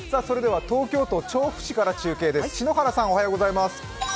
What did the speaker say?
東京都調布市から中継です。